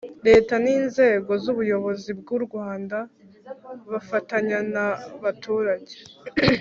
Leta n inzego z ubuyobozi bw u Rwanda bafatanya na baturage